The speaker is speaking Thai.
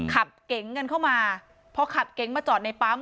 เก๋งกันเข้ามาพอขับเก๋งมาจอดในปั๊ม